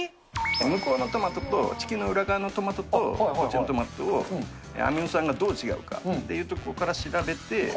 向こうのトマトと、地球の裏側のトマトと、のトマトと、アミノ酸がどう違うかというところから調べて。